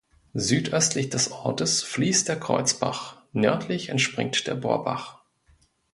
Südöstlich des Ortes fließt der Kreuzbach, nördlich entspringt der Borbach.